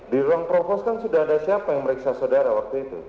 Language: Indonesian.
di ruang provos kan sudah ada siapa yang meriksa saudara waktu itu